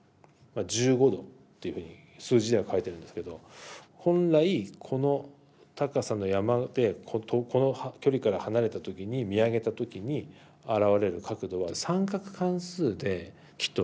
１５°っていうふうに数字では書いてるんですけど本来この高さの山でこの距離から離れた時に見上げた時にあらわれる角度は三角関数できっと分かるぞと。